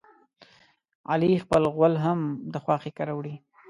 علي خپل غول هم د خواښې کره وړي.